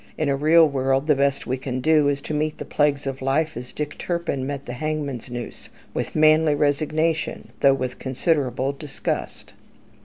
In a real world, the best we can do is to meet the plagues of life as Dick Turpin met the hangman's noose, "with manly resignation, though with considerable disgust."